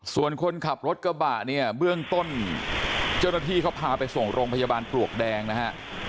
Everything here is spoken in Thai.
ส่วนคนขับรถกระบะเนี่ยเบื้องต้นเจ้าหน้าที่เขาพาไปส่งโรงพยาบาลปลวกแดงนะฮะ